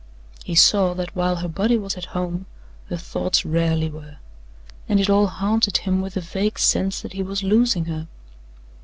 He saw that while her body was at home, her thoughts rarely were; and it all haunted him with a vague sense that he was losing her.